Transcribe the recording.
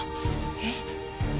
えっ？